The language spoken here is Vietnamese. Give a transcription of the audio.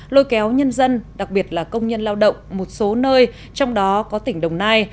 lôi kéo nhân dân đặc biệt là công nhân lao động một số nơi trong đó có tỉnh đồng nai